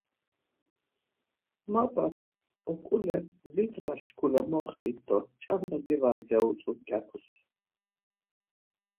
Mapak uǩule, Vit ndğa şkule moxtit do ç̌anda divas ya utzu mǩyapus.